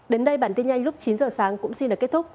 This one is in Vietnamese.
đến đây bản tin nhanh lúc chín giờ sáng cũng xin được kết thúc